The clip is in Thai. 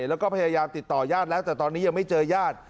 แล้วก็พยายามติดต่อญาติแล้วแต่ตอนนี้ยังไม่เจอญาติ